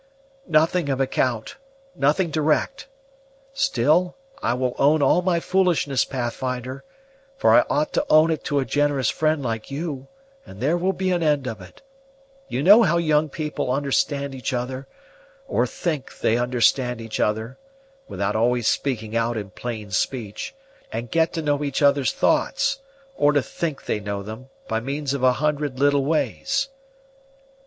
"Nothing of account, nothing direct. Still, I will own all my foolishness, Pathfinder; for I ought to own it to a generous friend like you, and there will be an end of it. You know how young people understand each other, or think they understand each other, without always speaking out in plain speech, and get to know each other's thoughts, or to think they know them, by means of a hundred little ways."